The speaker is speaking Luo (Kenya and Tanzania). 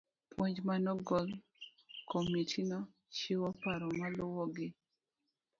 Puonj manogol. Komitino chiwo paro maluwo gi.